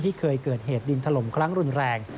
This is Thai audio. เคยเกิดเหตุดินถล่มครั้งรุนแรง